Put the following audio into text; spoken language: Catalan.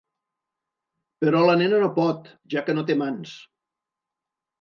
Però la nena no pot, ja que no té mans.